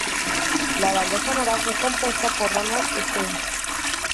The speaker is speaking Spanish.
La banda sonora fue compuesta por Ronald Stein.